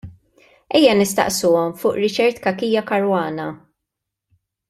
Ejja nistaqsuhom fuq Richard Cachia Caruana.